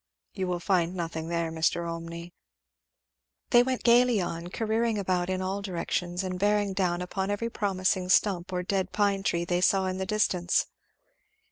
You will find nothing there, Mr. Olmney." They went gayly on, careering about in all directions and bearing down upon every promising stump or dead pine tree they saw in the distance.